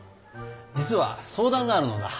実は相談があるのだ。